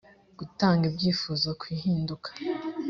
gutanga ibyifuzo ku ihinduka